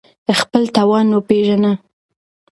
خپل توان وپېژنه